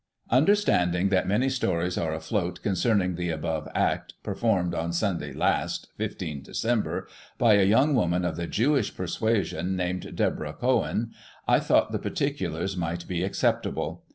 — Understanding that many stories are afloat concerning the above act, performed on Sunday last (15 Dec.) by a young woman of the Jewish persuasion, named Deborah Cohen, I thought the particulars might be acceptable.